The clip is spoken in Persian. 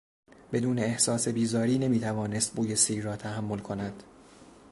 بدون احساس بیزاری نمیتوانست بوی سیر را تحمل کند.